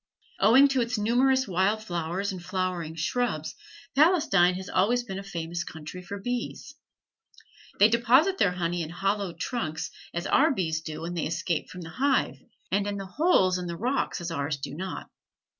Owing to its numerous wild flowers and flowering shrubs, Palestine has always been a famous country for bees. They deposit their honey in hollow trees as our bees do when they escape from the hive, and in holes in the rocks as ours do not.